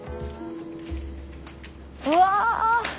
うわ！